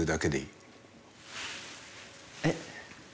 えっ？